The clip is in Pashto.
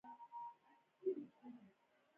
روښانه ذهن ګټور دی.